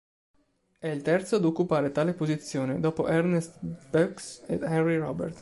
È il terzo ad occupare tale posizione, dopo Ernest Beaux ed Henri Robert.